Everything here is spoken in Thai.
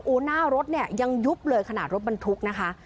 หน้ารถเนี่ยยังยุบเลยขนาดรถบรรทุกนะคะ